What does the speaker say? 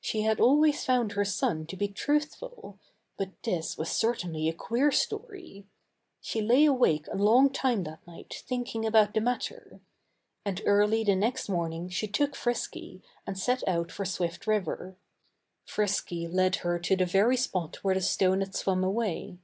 She had always found her son to be truthful. But this was certainly a queer story. She lay awake a long time that night thinking about the matter. And early the next morning she took Frisky and set out for Swift River. Frisky led her to the very spot where the stone had swum away.